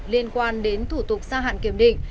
liên quan đến thủ tục gia hạn kiểm định